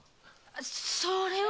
それは。